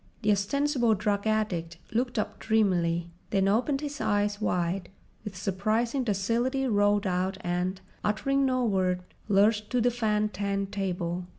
The ostensible drug addict looked up dreamily, then opened his eyes wide, with surprising docility rolled out and, uttering no word, lurched to the fan tan table.